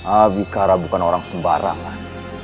abikar bukan orang sembarangan